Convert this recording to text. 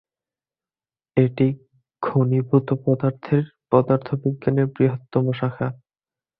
এটি ঘনীভূত পদার্থের পদার্থবিজ্ঞানের বৃহত্তম শাখা।